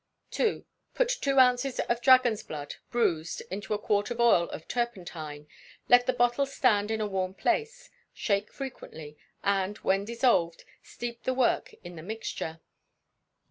ii. Put two ounces of dragon's blood, bruised, into a quart of oil of turpentine; let the bottle stand in a warm place, shake frequently, and, when dissolved, steep the work in the mixture.